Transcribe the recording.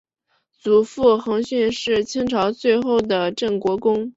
祖父恒煦是清朝最后的镇国公。